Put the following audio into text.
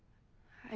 はい。